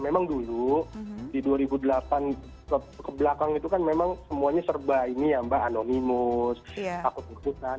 memang dulu di dua ribu delapan kebelakang itu kan memang semuanya serba ini ya mbak anonimus takut ikutan